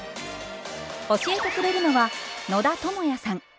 教えてくれるのは野田智也さん。